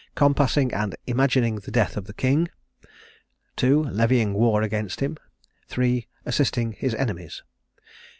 Compassing and imagining the death of the king; 2. Levying war against him; 3. Assisting his enemies.